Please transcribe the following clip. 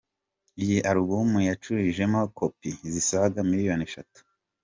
Iyi album yayicurujemo kopi zisaga miliyoni eshatu.